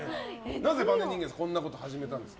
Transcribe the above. なぜバネ人間こんなことを始めたんですか。